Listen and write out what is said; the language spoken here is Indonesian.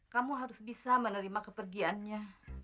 kamu harus bisa menerima kepergiannya